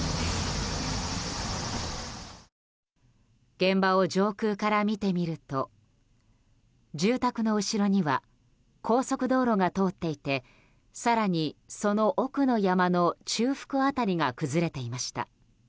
現場を上空から見てみると住宅の後ろには高速道路が通っていて更にその奥の山の中腹辺りが崩れていました。